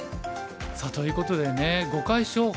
さあということでね碁会所